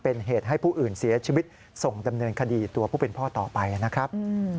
เป็นเหตุให้ผู้อื่นเสียชีวิตส่งดำเนินคดีตัวผู้เป็นพ่อต่อไปนะครับ